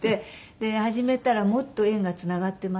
で始めたらもっと縁がつながってまして。